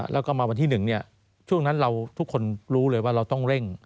แล้วก็มาวันที่๑ช่วงนั้นเราทุกคนรู้เลยว่าเราต้องเร่ง